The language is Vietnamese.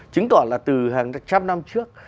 chứng tỏ là từ hàng trăm năm trước